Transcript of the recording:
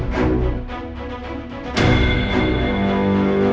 kalian semua cari dia sana